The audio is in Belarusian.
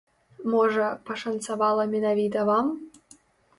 Можа, пашанцавала менавіта вам?